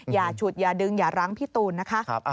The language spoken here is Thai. อย่าฉุดอย่าดึงอย่ารั้งพี่ตูนนะคะ